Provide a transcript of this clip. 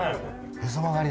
へそまがり？